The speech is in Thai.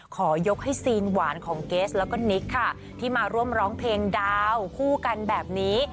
ขอยกให้ซีนหวานของเกสแล้วก็นิกค่ะที่มาร่วมร้องเพลงดาวคู่กันแบบนี้